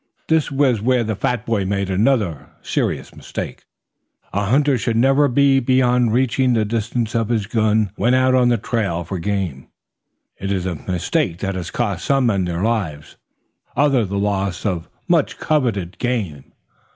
This was where the fat boy made another serious mistake. A hunter should never be beyond reaching distance of his gun when out on the trail for game. It is a mistake that has cost some men their lives, others the loss of much coveted game.